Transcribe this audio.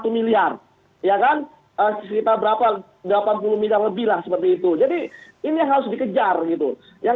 satu miliar ya kan sekitar berapa delapan puluh miliar lebih lah seperti itu jadi ini harus dikejar gitu yang